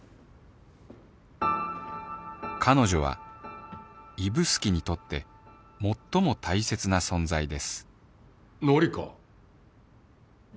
彼女は指宿にとってもっとも大切な存在です乃理花。